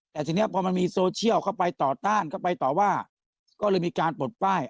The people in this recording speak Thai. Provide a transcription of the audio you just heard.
แต่ทีนี้พอมันมีโซเชียลเข้าไปต่อต้านเข้าไปต่อว่าก็เลยมีการปลดป้าย